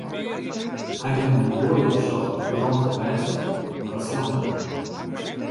Hy hat mei de buorlju besocht de brân te dwêsten mar dat slagge net.